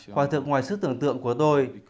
hoài thượng ngoài sức tưởng tượng của tôi